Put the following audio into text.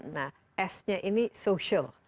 nah s nya ini social